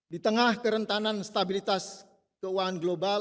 di tengah kerentanan stabilitas keuangan global